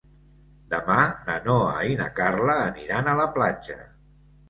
Demà na Noa i na Carla aniran a la platja.